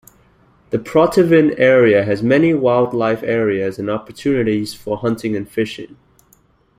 The Protivin area has many wildlife areas and opportunities for hunting and fishing.